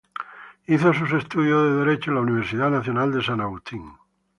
Hizo sus estudios de derecho en la Universidad Nacional de San Agustín.